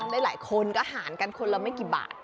หลายคนก็หารกันคนละไม่กี่บาท